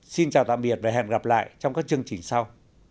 xin chào tạm biệt và hẹn gặp lại trong các chương trình sau